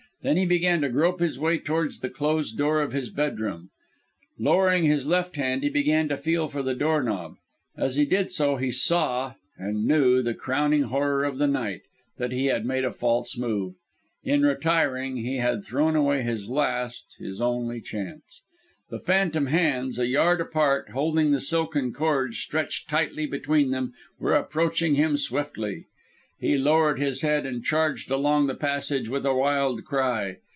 Then he began to grope his way towards the closed door of his bedroom. Lowering his left hand, he began to feel for the doorknob. As he did so, he saw and knew the crowning horror of the night that he had made a false move. In retiring he had thrown away his last, his only, chance. The phantom hands, a yard apart and holding the silken cord stretched tightly between them, were approaching him swiftly! He lowered his head, and charged along the passage, with a wild cry.